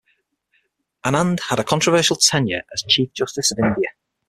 Anand had a controversial tenure as Chief Justice of India.